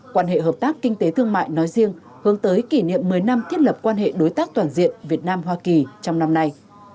quan hệ hợp tác kinh tế thương mại nói riêng hướng tới kỷ niệm một mươi năm thiết lập quan hệ đối tác toàn diện việt nam hoa kỳ trong năm nay